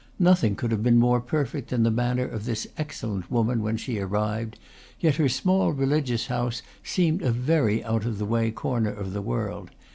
Nothing could have been more perfect than the manner of this excellent woman when she arrived; yet her small religious house seemed a very out of the way corner of the world.